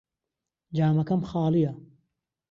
جامەکەم خاڵییە.